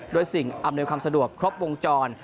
สิ่งอำนวยความสะดวกครบวงจร